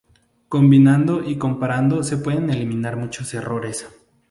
Combinando y comparando se pueden eliminar muchos errores.